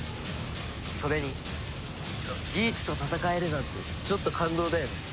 それにギーツと戦えるなんてちょっと感動だよね。